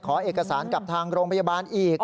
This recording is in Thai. ขอเอกสารกับทางโรงพยาบาลอีก